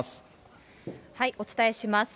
お伝えします。